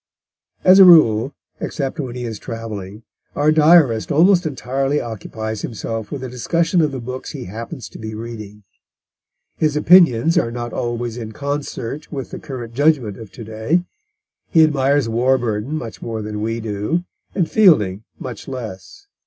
As a rule, except when he is travelling, our Diarist almost entirely occupies himself with a discussion of the books he happens to be reading. His opinions are not always in concert with the current judgment of to day; he admires Warburton much more than we do, and Fielding much less.